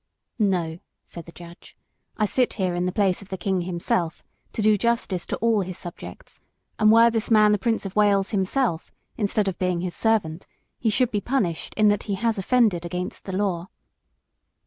"No," said the judge, "I sit here in the place of the king himself, to do justice to all his subjects, and were this man the Prince of Wales himself, instead of being his servant, he should be punished in that he has offended against the law."